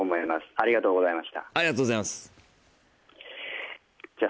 ありがとうございます